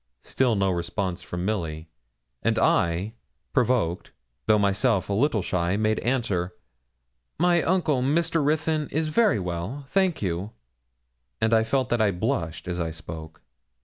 Still no response from Milly, and I, provoked, though myself a little shy, made answer 'My uncle, Mr. Ruthyn, is very well, thank you,' and I felt that I blushed as I spoke.